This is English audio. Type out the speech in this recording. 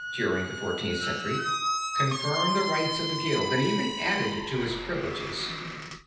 during the Fourteenth Century, confirmed the rights of the Guild and even added to its privileges.